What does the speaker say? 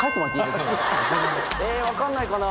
えっ分かんないかな？